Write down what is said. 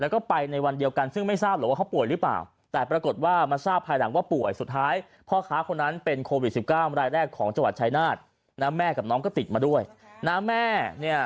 ของจังหวัดชายนาฏน้ำแม่กับน้องก็ติดมาด้วยน้ำแม่เนี่ย